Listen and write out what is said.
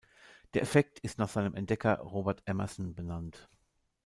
Der Effekt ist nach seinem Entdecker Robert Emerson benannt.